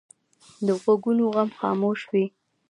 د غوږونو غم خاموش وي